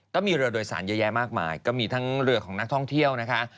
ก็มีเรือโดยสารเยอะแยะมากมายก็มีทั้งเรือของนักท่องเที่ยวนะคะ